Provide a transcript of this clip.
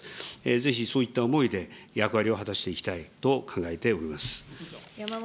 ぜひそういった思いで、役割を果たしていきたいと考えております。